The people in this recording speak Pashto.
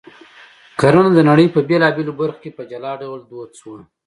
کرنه د نړۍ په بېلابېلو برخو کې په جلا ډول دود شوه